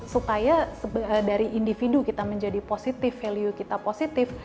supaya dari individu kita menjadi positif value kita positif